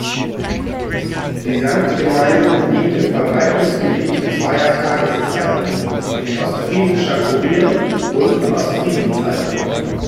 Die Samtgemeinde liegt im Verbreitungsgebiet zweier Tageszeitungen: Ostfriesischer Kurier und Ostfriesen-Zeitung.